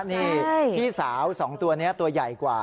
นี่พี่สาว๒ตัวนี้ตัวใหญ่กว่า